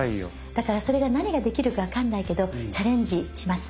だからそれが何ができるか分かんないけどチャレンジします。